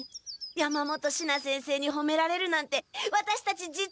山本シナ先生にほめられるなんてワタシたち実はすごいんじゃ。